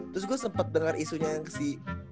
terus gue sempet denger isunya yang si